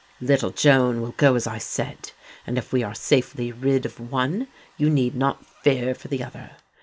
Little Joan will go as I said; and if we are safely rid of one you need not fear for the other.